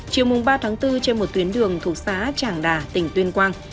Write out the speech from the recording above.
chiều ba bốn trên một tuyến đường thuộc xã tràng đà tỉnh tuyên quang